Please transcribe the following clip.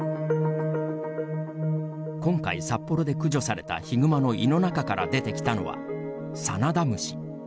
今回、札幌で駆除されたヒグマの胃の中から出てきたのはサナダムシ。